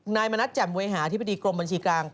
มณัฐแจ่มเวยหาอธิบดีกรมบัญชีกลาง